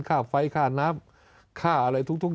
ค่าไฟค่าน้ำค่าอะไรทุก